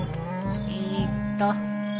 えーっと。